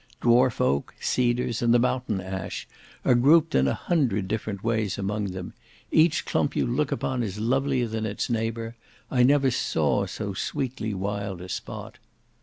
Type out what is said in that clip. Dwarf oak, cedars, and the mountain ash, are grouped in a hundred different ways among them; each clump you look upon is lovelier than its neighbour; I never saw so sweetly wild a spot.